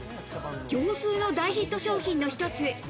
業スーの大ヒット商品の一つ。